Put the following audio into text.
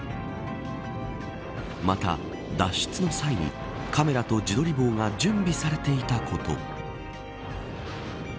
また、脱出の際にカメラと自撮り棒が準備されていたこと。